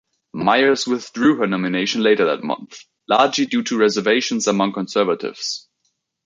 Miers withdrew her nomination later that month, largely due to reservations among conservatives.